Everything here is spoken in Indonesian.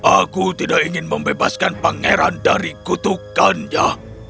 aku tidak ingin membebaskan pangeran dari kutukannya